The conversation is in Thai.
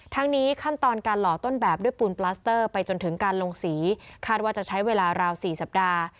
ทั้งนี้ขั้นตอนการหล่อต้นแบบด้วยปูนปลาสเตอร์ไปจนถึงการลงสีคาดว่าจะใช้เวลาราว๔สัปดาห์